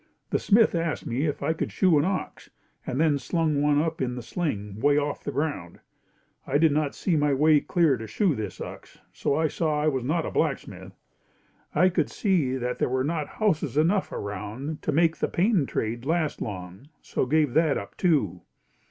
The smith asked me if I could shoe an ox and then slung one up in the sling 'way off the ground. I did not see my way clear to shoe this ox, so saw I was not a blacksmith. I could see that there were not houses enough around to make the paintin' trade last long so gave that up too.